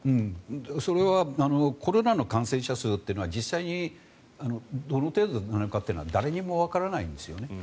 それはコロナの感染者数って実際にどの程度になるかというのは誰にもわからないんですよね。